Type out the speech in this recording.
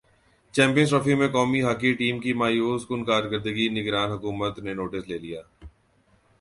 champions trophy میں قومی hockey team کی مایوس کن کارکردگی نگران حکومت نے نوٹس لے لیا